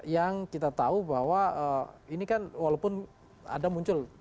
yang kita tahu bahwa ini kan walaupun ada muncul